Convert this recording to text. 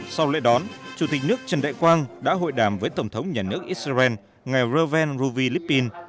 sau lễ đón chủ tịch nước trần đại quang đã hội đàm với tổng thống nhà nước israel ngày reuven ruvi riplin